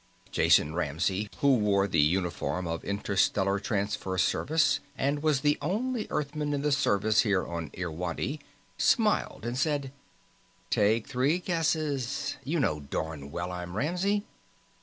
Jason Ramsey, who wore the uniform of Interstellar Transfer Service and was the only Earthman in the Service here on Irwadi, smiled and said: "Take three guesses. You know darn well I'm Ramsey."